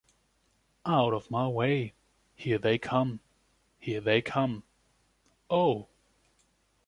Out of my way! Here they come! Here they come! Oh!